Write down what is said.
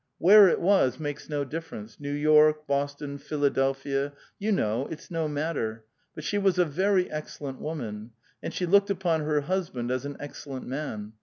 Where it was makes no difference — New York, Bos ton, Philadelphia — you know — it's no matter; but she was a very excellent woman, and she looked npon her husband as an excellent man.